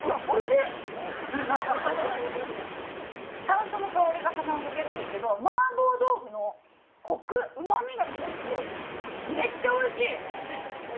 山椒の香りが鼻を抜けるんですけど麻婆豆腐のコク旨みがすごい強いめっちゃおいしい！